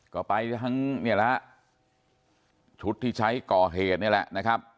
ก็ไปทั้งเนี่ยแหละฮะชุดที่ใช้ก่อเหตุนี่แหละนะครับ